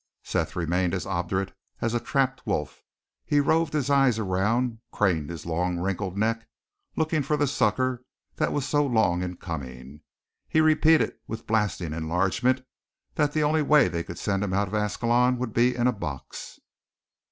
Seth remained as obdurate as a trapped wolf. He roved his eyes around, craned his long, wrinkled neck, looking for the succor that was so long in coming. He repeated, with blasting enlargement, that the only way they could send him out of Ascalon would be in a box.